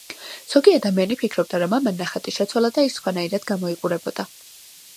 ზოგი ადამიანი ფიქრობდა, რომ ამან ნახატი შეცვალა და ის სხვანაირად გამოიყურებოდა.